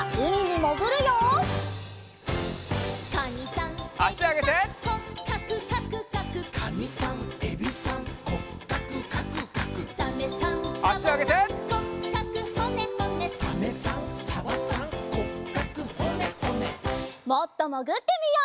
もっともぐってみよう！